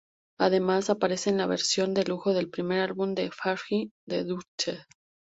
Además aparece en la versión de lujo del primer álbum de Fergie, The Dutchess.